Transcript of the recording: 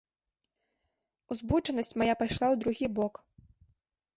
Узбуджанасць мая пайшла ў другі бок.